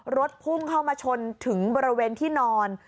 รถพุ่งเข้ามาชนถึงบริเวณที่นอน